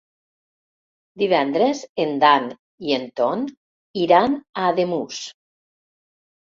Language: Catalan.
Divendres en Dan i en Ton iran a Ademús.